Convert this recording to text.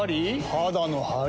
肌のハリ？